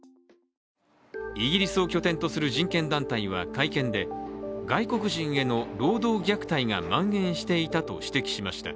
イギリスを拠点とする人権団体は会見で、外国人への労働虐待がまん延していたと指摘しました。